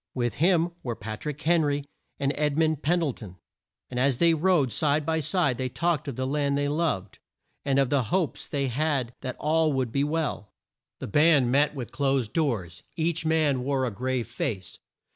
With him were Pat rick Hen ry and Ed mund Pen dle ton; and as they rode side by side they talked of the land they loved, and of the hopes they had that all would be well. The band met with closed doors. Each man wore a grave face.